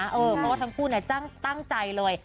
เพราะว่าทั้งคู่ตั้งใจเลย